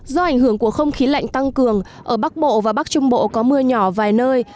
do ảnh hưởng của không khí lạnh tăng cường ở bắc bộ và bắc trung bộ có mưa nhỏ vài nơi